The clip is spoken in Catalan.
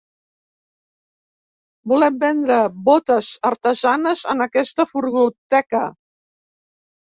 Volem vendre botes artesanes en aquesta furgoteca.